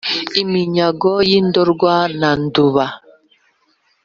iminyago yi ndorwa na nduba